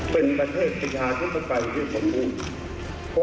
เป็นประเทศประชาชนประกันที่ผมรู้